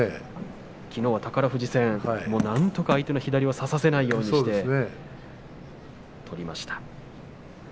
きのうの宝富士戦なんとか相手の左を差させないようにして取りました。